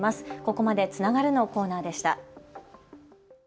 ここまでつながるのコーナーでした。